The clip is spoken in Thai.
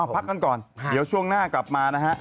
พักกันก่อนเดี๋ยวช่วงหน้ากลับมานะฮะ